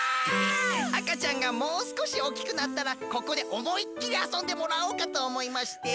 あかちゃんがもうすこしおおきくなったらここでおもいっきりあそんでもらおうかとおもいまして。